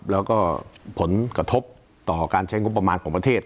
แล้วก็ผลกระทบต่อการใช้งบประมาณของประเทศ